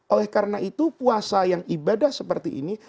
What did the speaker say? oleh karena itu puasa yang ibadah seperti ini